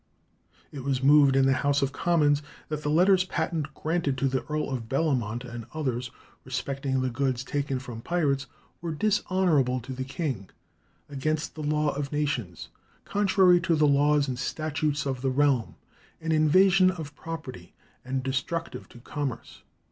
It was moved in the House of Commons that the "letters patent granted to the Earl of Bellamont and others respecting the goods taken from pirates were dishonourable to the king, against the law of nations, contrary to the laws and statutes of the realm, an invasion of property, and destructive to commerce."